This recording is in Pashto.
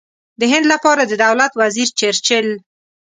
د هند لپاره د دولت وزیر چرچل.